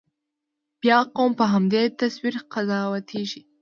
بیا قوم په همدې تصویر قضاوتېږي.